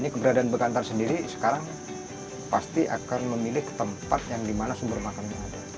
nah ini keberadaan bekantan sendiri sekarang pasti akan memilih tempat yang di mana sumber makanan ada